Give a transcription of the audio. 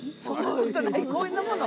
こんなもの？